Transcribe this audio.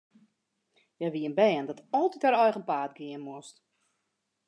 Hja wie in bern dat altyd har eigen paad gean moast.